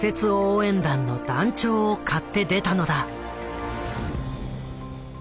応援団の団長を買って出たのだ。